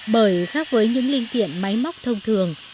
bởi khác với những linh kiện máy móc thông thường